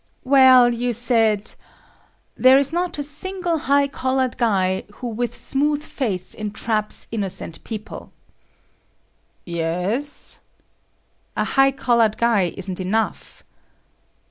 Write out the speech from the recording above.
"Well, you said,…… there is not a single high collared guy who with smooth face entraps innocent people……." "Yes." "A 'high collared guy' isn't enough."